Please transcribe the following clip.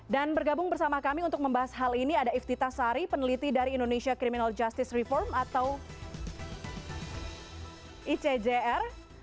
dan bergabung bersama kami untuk membahas hal ini ada iftita sari peneliti dari indonesia criminal justice reform atau icjr